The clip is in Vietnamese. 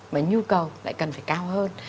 mà nhu cầu lại cần phải cao hơn